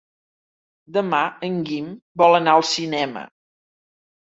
Demà en Guim vol anar al cinema.